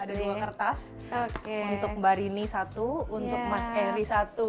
ada dua kertas untuk mbak rini satu untuk mas eri satu